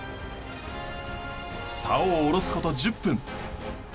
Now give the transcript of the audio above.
さおを下ろすこと１０分。